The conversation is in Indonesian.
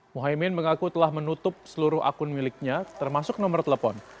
muhaymin mengaku telah menutup seluruh akun miliknya termasuk nomor telepon